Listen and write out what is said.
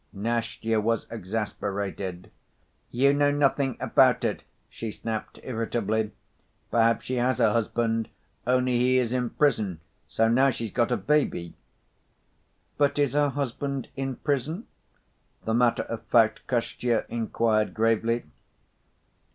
Nastya was exasperated. "You know nothing about it," she snapped irritably. "Perhaps she has a husband, only he is in prison, so now she's got a baby." "But is her husband in prison?" the matter‐of‐fact Kostya inquired gravely.